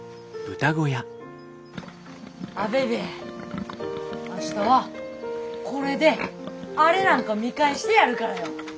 アベベ明日はこれであれなんか見返してやるからよ！